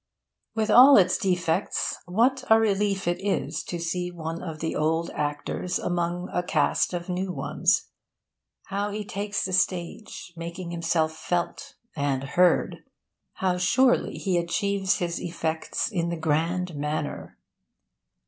With all his defects, what a relief it is to see one of the old actors among a cast of new ones! How he takes the stage, making himself felt and heard! How surely he achieves his effects in the grand manner!